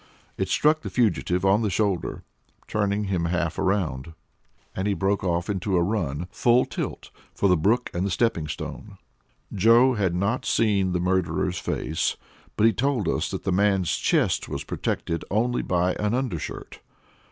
It struck the fugitive on the shoulder, turning him half around; and he broke into a run, full tilt, for the brook and the stepping stone. Joe had not seen the murderer's face, but he told us that the man's chest was protected only by an undershirt.